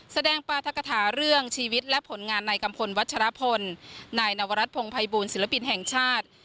แสดงปราธกฐาเรื่องชีวิตและผลงานในกัมพลวัชรพลนายนวรัฐพงภัยบูลศิลปินแห่งชาติ